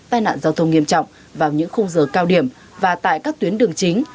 tai nạn giao thông nghiêm trọng vào những khung giờ cao điểm và tại các tuyến đường chính